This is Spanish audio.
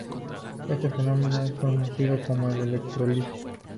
Este fenómeno es conocido como electrólisis.